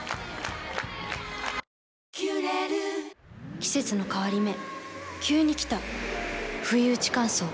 季節の変わり目急に来たふいうち乾燥。